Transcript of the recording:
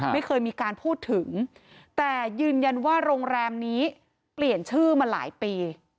ไม่เคยมีการพูดถึงแต่ยืนยันว่าโรงแรมนี้เปลี่ยนชื่อมาหลายปี